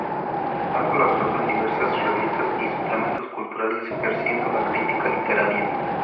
Ha colaborado en diversas revistas y suplementos culturales ejerciendo la crítica literaria.